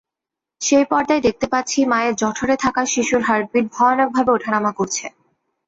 সেই পর্দায় দেখতে পাচ্ছি মায়ের জঠরে থাকা শিশুর হার্টবিট ভয়ানকভাবে ওঠানামা করছে।